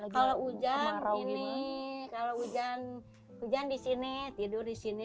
kalau hujan ini kalau hujan di sini tidur di sini